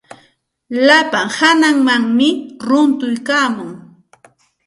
Slapa hananmanmi runtuykaamun.